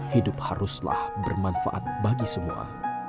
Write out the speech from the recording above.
hidup haruslah bermanfaat bagi semua